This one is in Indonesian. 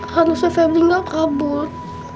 harusnya febri gak kabur